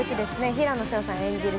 平野紫耀さん演じる